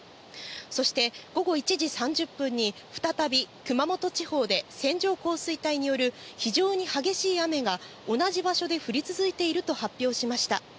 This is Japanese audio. そして午後１時３０分に再び熊本地方で線状降水帯による非常に激しい雨が同じ場所で降り続いていると発表しました。